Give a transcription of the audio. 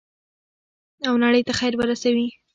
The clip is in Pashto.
او نړۍ ته خیر ورسوي.